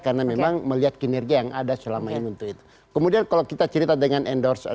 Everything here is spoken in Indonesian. karena memang melihat kinerja yang ada selama ini untuk itu kemudian kalau kita cerita dengan endorse